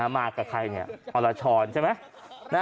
มากับใครเนี่ยอรชรใช่ไหม